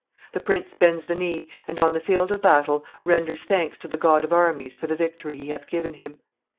The prince bends the knee, and, on the field of battle, renders thanks to the God of armies for the victory he hath given him.